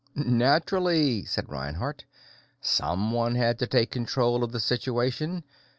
"Naturally," said Reinhardt. "Someone had to take control of the situation.